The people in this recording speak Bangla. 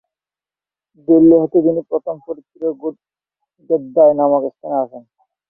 দিল্লী হতে তিনি প্রথমে ফরিদপুরের গেদ্দায় নামক স্থানে আসেন।